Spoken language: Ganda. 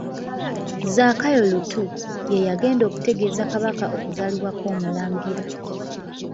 Zakayo Lutu, ye yagenda okutegeeza Kabaka okuzaalibwa kw'Omulangira.